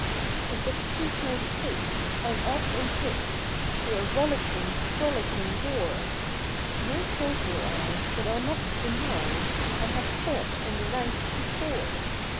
If it suit my taste, I'm off in haste To'a rollicking, frolicking war; No soldier I, but I'll not deny I have fought in the ranks before.